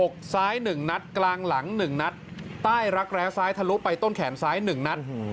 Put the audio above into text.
อกซ้ายหนึ่งนัทกลางหลังหนึ่งนัทใต้ลักแลกซ้ายทะลุไปต้นแขนซ้ายหนึ่งนัท